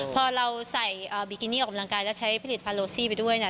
พอเราใส่บิกินี่ออกกำลังกายแล้วใช้ผลิตพาโลซี่ไปด้วยเนี่ย